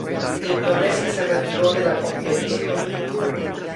Indonesia se retiró de la competición.